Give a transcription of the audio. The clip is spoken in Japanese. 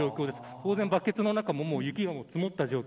当然バケツの中も雪が積もった状況。